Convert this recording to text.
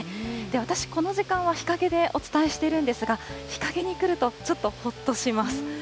私、この時間は日陰でお伝えしているんですが、日陰に来ると、ちょっとほっとします。